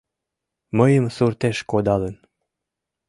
Мыйым суртеш кодалын.